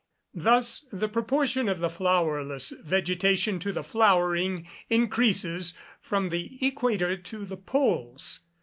Thus the proportion of the flowerless vegetation to the flowering increases from the equator to the poles.